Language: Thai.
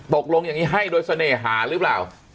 ตกลงอย่างนี้ให้โดยเสน่หาหรือเปล่า